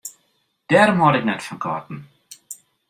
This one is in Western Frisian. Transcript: Dêrom hâld ik net fan katten.